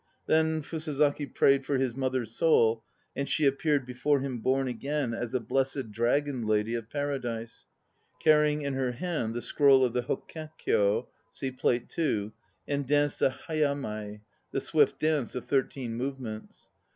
Then Fusazaki prayed for his mother's soul and she appeared before him born again as a Blessed Dragon Lady of Paradise, carrying in her hand the scroll of the Hokkekyo (see Plate II), and danced the Hayamai, the "swift dance," of thirteen movements.